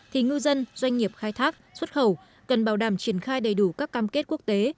thì ngư dân doanh nghiệp khai thác xuất khẩu cần bảo đảm triển khai đầy đủ các cam kết quốc tế